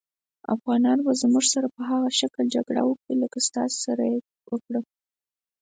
افغانان به زموږ سره په هغه شکل جګړه وکړي لکه ستاسې سره یې وکړه.